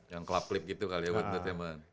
yang club clip gitu kali ya buat entertainment